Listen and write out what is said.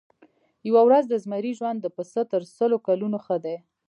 یوه ورځ د زمري ژوند د پسه تر سلو کلونو ښه دی.